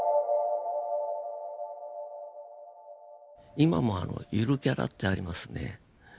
今もあの「ゆるキャラ」ってありますね。